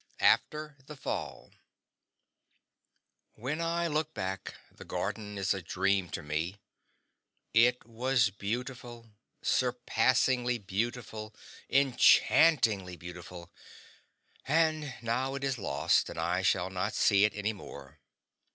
After the Fall When I look back, the Garden is a dream to me. It was beautiful, surpassingly beautiful, enchantingly beautiful; and now it is lost, and I shall not see it any more.